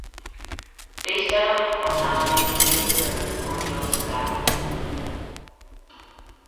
They settle the formalities to be observed in ordeals of battle.